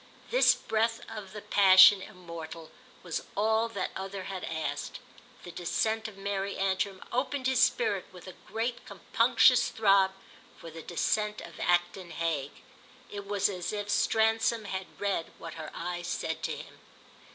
This breath of the passion immortal was all that other had asked; the descent of Mary Antrim opened his spirit with a great compunctious throb for the descent of Acton Hague. It was as if Stransom had read what her eyes said to him.